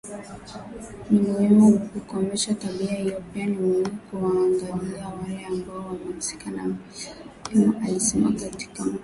Ni muhimu kukomesha tabia hiyo pia ni muhimu kuwaangazia wale ambao wamehusika na mateso Gilmore alisema katika mkutano